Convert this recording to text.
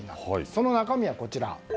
その中身がこちら。